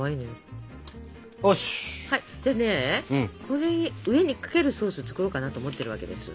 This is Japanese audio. これに上にかけるソースを作ろうかなと思ってるわけです。